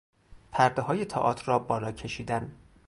پردههای تئاتر را بالا کشیدن